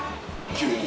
急に。